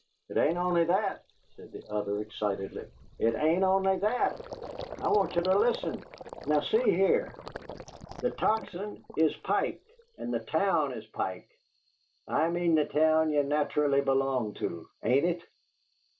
"It ain't only that," said the other, excitedly. "It ain't only that! I want ye to listen. Now see here: the Tocsin is Pike, and the town is Pike I mean the town ye naturally belonged to. Ain't it?"